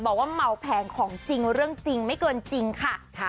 บอกว่าเมาแพงของจริงเรื่องจริงไม่เกินจริงค่ะ